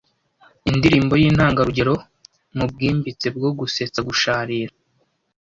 indirimbo yintangarugero mubwimbitse bwo gusetsa gusharira